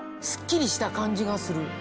すっきりした感じがする。